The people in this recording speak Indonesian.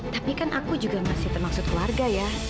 tapi kan aku juga masih termaksud keluarga ya